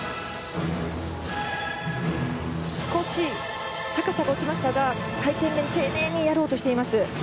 少し高さが落ちましたが回転面丁寧にやろうとしています。